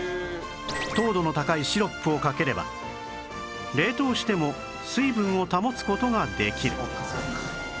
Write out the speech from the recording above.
糖度の高いシロップをかければ冷凍しても水分を保つ事ができる